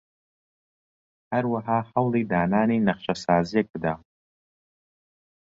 هەروەها هەوڵی دانانی نەخشەسازییەک بدە